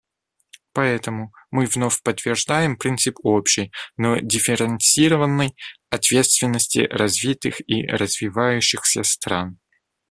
Поэтому мы вновь подтверждаем принцип общей, но дифференцированной ответственности развитых и развивающихся стран.